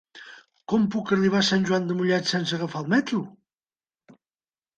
Com puc arribar a Sant Joan de Mollet sense agafar el metro?